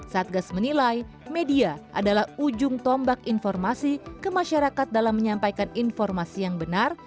satgas menilai media adalah ujung tombak informasi ke masyarakat dalam menyampaikan informasi yang benar